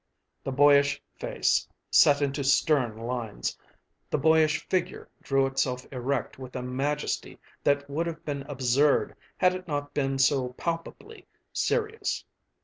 The boyish face set into stern lines. The boyish figure drew itself erect with a majesty that would have been absurd had it not been so palpably serious.